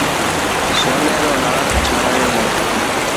سوني رو هار ٺارايو هي.